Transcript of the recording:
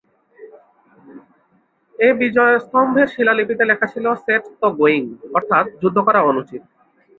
এ বিজয়স্তম্ভের শিলালিপিতে লেখা ছিল ‘সেট-ত-গোইং’ অর্থাৎ যুদ্ধ করা অনুচিত।